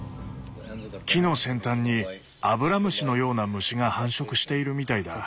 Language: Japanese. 木の先端にアブラムシのような虫が繁殖しているみたいだ。